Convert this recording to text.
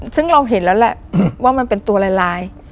ซึ่งเราเห็นแล้วแหละว่ามันเป็นตัวลาย